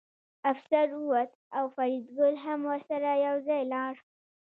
افسر ووت او فریدګل هم ورسره یوځای لاړ